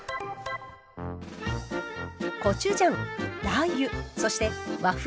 コチュジャンラー油そして和風